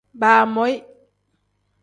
Baamoyi.